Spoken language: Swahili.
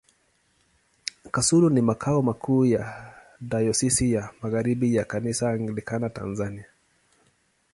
Kasulu ni makao makuu ya Dayosisi ya Magharibi ya Kanisa Anglikana Tanzania.